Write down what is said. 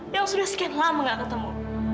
yang sudah sekian lama gak ketemu